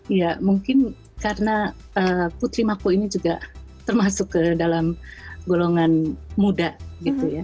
iya mungkin karena putri mako ini juga termasuk ke dalam golongan muda gitu ya